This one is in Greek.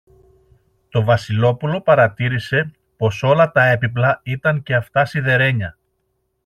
Το Βασιλόπουλο παρατήρησε πως όλα τα έπιπλα ήταν και αυτά σιδερένια